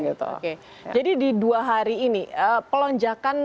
jadi di dua hari ini pelonjakan transaksi di dua hari ini apa yang bisa kita lakukan